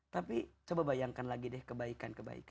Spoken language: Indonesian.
tapi coba bayangkan lagi deh kebaikan kebaikan